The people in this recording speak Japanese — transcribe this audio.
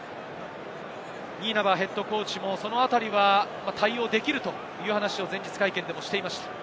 ニーナバーＨＣも、そのあたりは対応できるという話を前日会見でしていました。